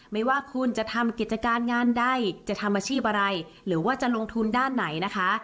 ไม่ว่าคุณจะทำกิจการงานใดจะทำอาชีพอะไรหรือว่าจะลงทุนด้านไหนนะคะ